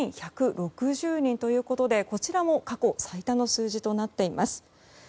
５１６０人ということでこちらも過去最多の数字となっています。